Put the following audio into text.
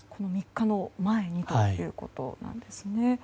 ３日の前にということなんですね。